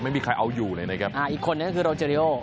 ไม่มีใครเอาอยู่เลยนะครับนะครับอ่าอีกคนนั้นก็คือการให้ประเดริง